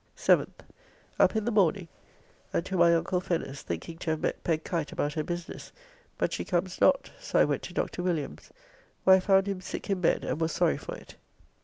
7th. Up in the morning and to my uncle Fenner's, thinking to have met Peg Kite about her business but she comes not, so I went to Dr. Williams, where I found him sick in bed and was sorry for it.